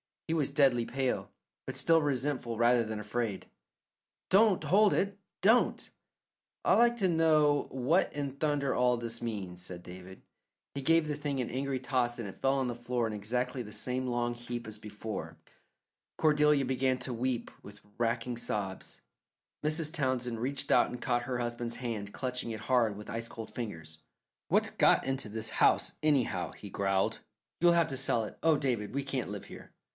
He was deadly pale, but still resentful rather than afraid. "Don't hold it; don't!" "I'd like to know what in thunder all this means?" said David. He gave the thing an angry toss and it fell on the floor in exactly the same long heap as before. Cordelia began to weep with racking sobs. Mrs. Townsend reached out and caught her husband's hand, clutching it hard with ice cold fingers. "What's got into this house, anyhow?" he growled. "You'll have to sell it. Oh, David, we can't live here."